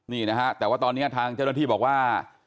นี่นะฮะแต่ว่าตอนนี้ทางเจ้าหน้าที่บอกว่า